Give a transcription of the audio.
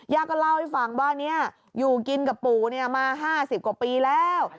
ก็เล่าให้ฟังว่านี้อยู่กินกับปู่มา๕๐กว่าปีแล้ว